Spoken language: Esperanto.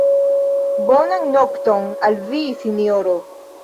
Bonan nokton al vi, sinjoro.